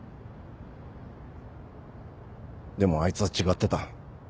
でもあいつは違ってた。